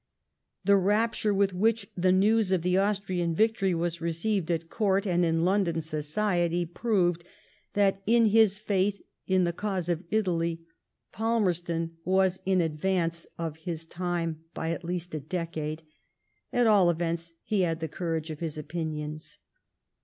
The rapture with which the news of the Austrian victory was received at Court and in London society, proved that in his faith in the cause of Italy, Falmerston was in advance of his time by at least a decade. At all events, he had the courage of his opinions.